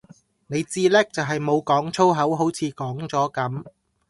你至叻就系冇講粗口好似講咗噉